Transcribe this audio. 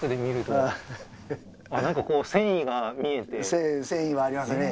なんか繊維はありますね